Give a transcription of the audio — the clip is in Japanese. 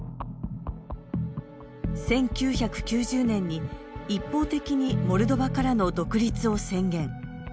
１９９０年に一方的にモルドバからの独立を宣言。